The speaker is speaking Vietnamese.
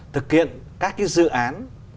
thực hiện các cái dự án